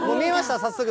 早速。